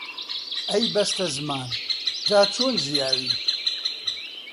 ئەی بەستەزمان، جا چۆن ژیاوی؟